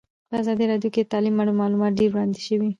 په ازادي راډیو کې د تعلیم اړوند معلومات ډېر وړاندې شوي.